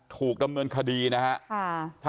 ถูกดำเนินคดีนะฮะ